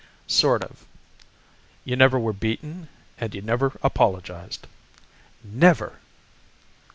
"Sort of. You never were beaten and you never apologized." "Never!"